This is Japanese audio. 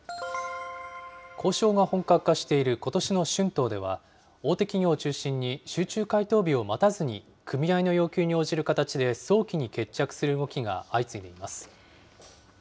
交渉が本格化していることしの春闘では、大手企業を中心に集中回答日を待たずに組合の要求に応じる形で、早期に決着する動きが相次いでいます。